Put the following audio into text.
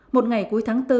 một ngày cuối tháng bốn